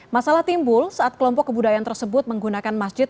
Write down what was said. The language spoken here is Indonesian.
masalah timbul saat kelompok kebudayaan tersebut menggunakan masjid